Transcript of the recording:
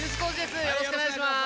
よろしくお願いします。